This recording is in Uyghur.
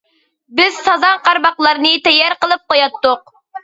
بىز سازاڭ قارماقلارنى تەييار قىلىپ قوياتتۇق.